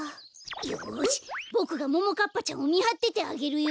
よしボクがももかっぱちゃんをみはっててあげるよ。